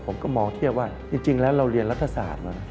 ผมก็มองเทียบว่าจริงแล้วเราเรียนรัฐศาสตร์มา